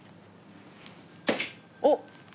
おっ！